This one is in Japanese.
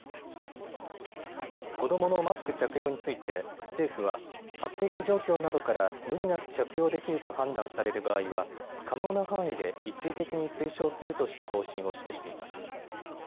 子どものマスク着用について政府は発育状況などから無理なく着用できると判断される場合は可能な範囲で一時的に推奨するとした方針を示しています。